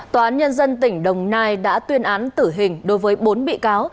tòa án nhân dân tỉnh đồng nai đã tuyên án tử hình đối với bốn bị cáo